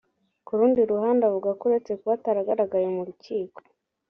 Ku rundi ruhande avuga ko uretse kuba ataragaragaye mu rukiko